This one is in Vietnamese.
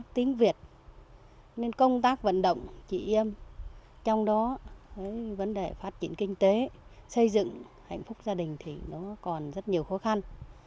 trong đó vấn đề phát triển kinh tế xây dựng hạnh phúc gia đình thì nó còn rất nhiều khó khăn